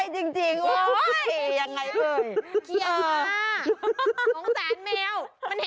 เชื่อขึ้นเร็ว